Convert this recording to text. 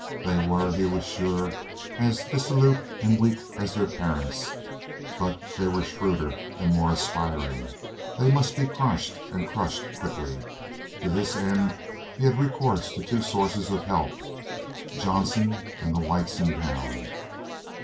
They were, he was sure, as dissolute and weak as their parents, but they were shrewder and more aspiring. They must be crushed, and crushed quickly. To this end he had recourse to two sources of help Johnson and the whites in town.